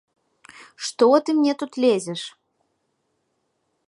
Што ты мне тут лезеш?